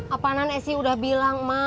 apaanan esi udah bilang ma